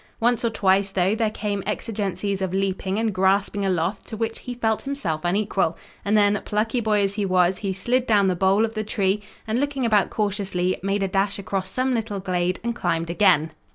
Once or twice, though, there came exigencies of leaping and grasping aloft to which he felt himself unequal, and then, plucky boy as he was, he slid down the bole of the tree and, looking about cautiously, made a dash across some little glade and climbed again.